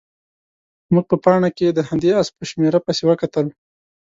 موږ په پاڼه کې د همدې اس په شمېره پسې وکتل.